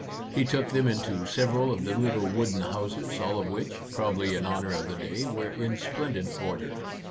He took them into several of the little wooden houses, all of which, probably in honour of the day, were in splendid order.